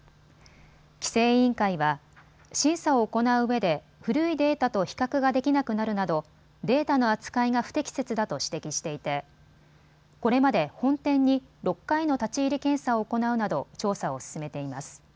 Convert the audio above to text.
規制委員会は審査を行ううえで古いデータと比較ができなくなるなどデータの扱いが不適切だと指摘していてこれまで本店に６回の立ち入り検査を行うなど調査を進めています。